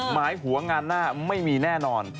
หมายหัวงานหน้าไม่มีแน่นอน